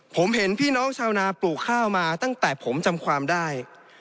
ผมเห็นพี่น้องชาวนาปลูกข้าวมาตั้งแต่ผมจำความได้